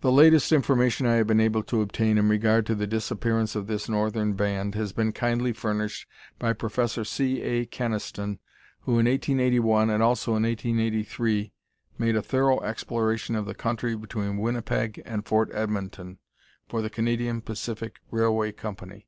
The latest information I have been able to obtain in regard to the disappearance of this northern band has been kindly furnished by Prof. C. A. Kenaston, who in 1881, and also in 1883, made a thorough exploration of the country between Winnipeg and Fort Edmonton for the Canadian Pacific Railway Company.